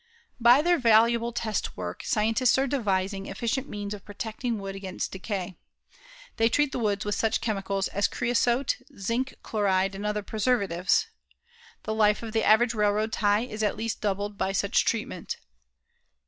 By their valuable test work, scientists are devising efficient means of protecting wood against decay. They treat the woods with such chemicals as creosote, zinc chloride and other preservatives. The life of the average railroad tie is at least doubled by such treatment.